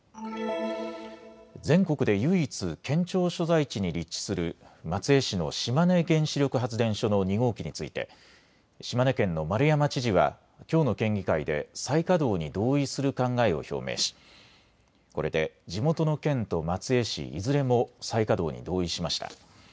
全国で唯一、県庁所在地に立地する松江市の島根原子力発電所の２号機について島根県の丸山知事はきょうの県議会で再稼働に同意する考えを表明しこれで地元の県と松江市いずれも再稼働に同意しました。